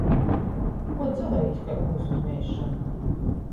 Kuo cylojīs kai gūvs iz meizšonu?